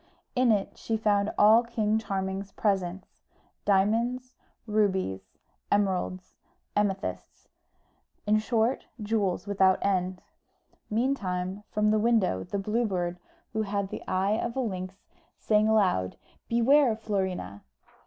In it she found all King Charming's presents diamonds, rubies, emeralds, amethysts in short, jewels without end. Meantime, from the window the Blue Bird, who had the eye of a lynx, sang aloud, "Beware, Florina!"